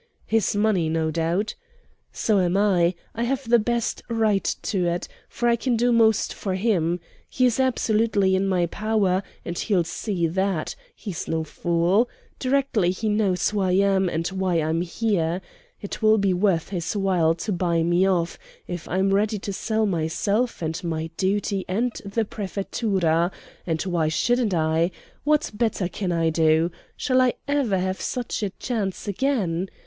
His money, no doubt. "So am I; I have the best right to it, for I can do most for him. He is absolutely in my power, and he'll see that he's no fool directly he knows who I am, and why I'm here. It will be worth his while to buy me off, if I'm ready to sell myself, and my duty, and the Prefettura and why shouldn't I? What better can I do? Shall I ever have such a chance again?